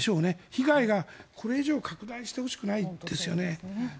被害がこれ以上拡大してほしくないですよね。